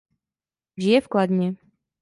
Žije v Kladně.